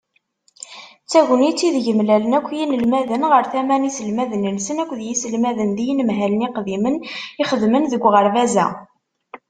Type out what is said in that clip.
D tagnit ideg mlalen akk yinelmaden ɣer tama n yiselmaden-nsen akked yiselmaden d yinemhalen iqdimen ixedmen deg uɣerbaz-a.